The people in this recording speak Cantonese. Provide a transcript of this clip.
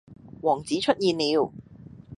王子出現了